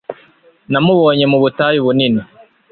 Namubonye mu butayu bunini